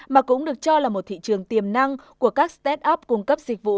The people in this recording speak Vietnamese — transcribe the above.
mà cũng được cho là một thị trường tiềm năng của các start up cung cấp dịch vụ